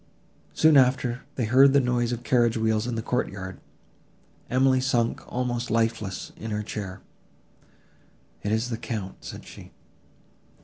Soon after, they heard the noise of carriage wheels in the courtyard. Emily sunk almost lifeless in her chair; "It is the Count," said she.